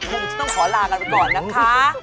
คงจะต้องขอลากันไปก่อนนะคะ